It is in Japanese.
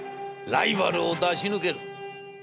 ライバルを出し抜ける』。